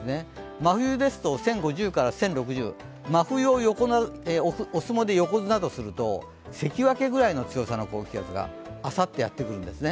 真冬ですと１０５０から１０６０真冬をお相撲で横綱とする、関脇ぐらいの強さの高気圧があさってやってくるんですね。